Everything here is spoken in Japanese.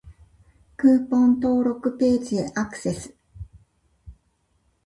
クーポン登録ページへアクセス